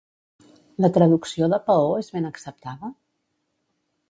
La traducció de paó és ben acceptada?